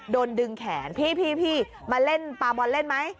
โดนดึงแขนพี่มาเล่นปลาบอลเล่นไหม